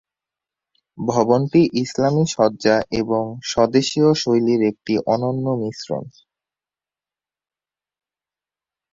ভবনটি ইসলামি সজ্জা এবং স্বদেশীয় শৈলীর একটি অনন্য মিশ্রণ।